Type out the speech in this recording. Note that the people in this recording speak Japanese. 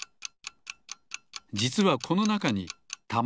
じつはこのなかにたまにみる